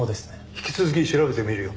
引き続き調べてみるよ。